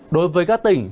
đối với các tỉnh